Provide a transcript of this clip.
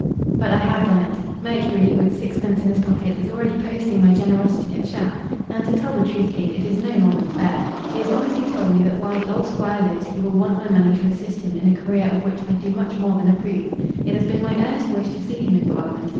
"But I have done it. Mercury, with sixpence in his pocket, is already posting my generosity at Shap. And, to tell the truth, Kate, it is no more than fair. He has honestly told me that while the old Squire lives he will want my money to assist him in a career of which I do much more than approve. It has been my earnest wish to see him in Parliament.